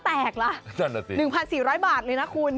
แต่ถ้าแตกล่ะ๑๔๐๐บาทเลยนะคุณ